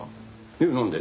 えっなんで？